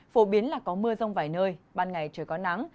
phổ biến là có mưa rông vài nơi ban ngày trời có nắng